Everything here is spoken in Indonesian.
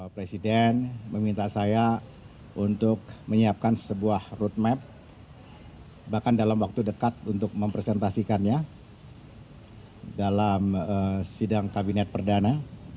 presiden meminta saya untuk menyiapkan sebuah roadmap bahkan dalam waktu dekat untuk mempresentasikannya dalam sidang kabinet perdana